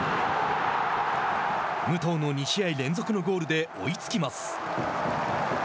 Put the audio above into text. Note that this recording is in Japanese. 武藤の２試合連続のゴールで追いつきます。